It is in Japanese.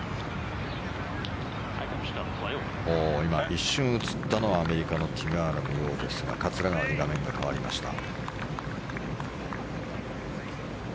一瞬、映ったのはアメリカのティガーラですが桂川に画面が変わりました。